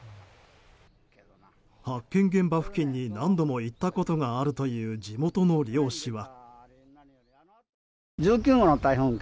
発見現場付近に何度も行ったことがあるという地元の猟師は。